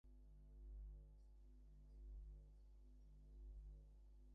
ভুল তো ভাঙিল তোমার, কুমুদের অনেকদিনের বন্ধু?